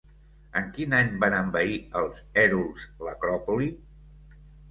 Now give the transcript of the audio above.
En quin any van envair els hèruls l'Acròpoli?